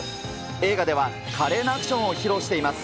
映画では華麗なアクションを披露しています。